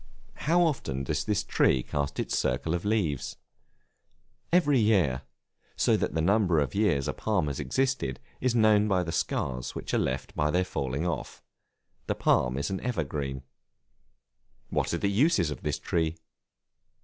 How often does this tree cast its circle of leaves? Every year; so that the number of years a palm has existed is known by the scars which are left by their falling off. The palm is an evergreen. What are the uses of this Tree?